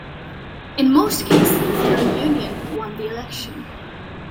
In most cases, the union won the election.